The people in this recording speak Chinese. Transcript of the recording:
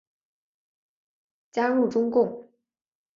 加入中共。